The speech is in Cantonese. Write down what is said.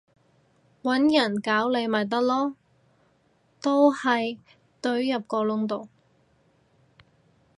搵人搞你咪得囉，都係隊入個窿度